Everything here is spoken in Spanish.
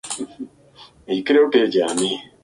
Los resultados se muestran a continuación.